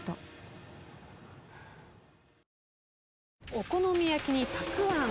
お好み焼きにたくあん。